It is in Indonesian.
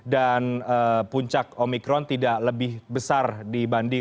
dan puncak omikron tidak lebih besar lagi